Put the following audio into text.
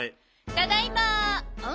ただいまん？